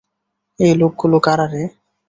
এই লোকগুলো কারা রে?